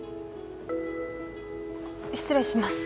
失礼します。